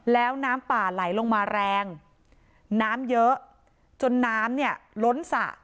แล้วน้ำป่าไหลลงมาแรงน้ำเยอะจนน้ำเนี่ยล้นสระ